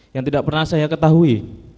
yang tidak pernah saya ketahui